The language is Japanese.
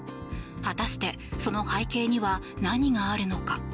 果たして、その背景には何があるのか。